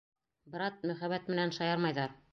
Брат, мөхәббәт менән шаярмайҙар.